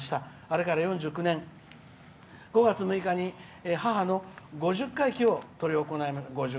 あれから４５年、５月８日に母の５０回忌を執り行いました」。